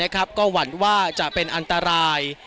ก็หวั่นว่าจะเป็นอันตราย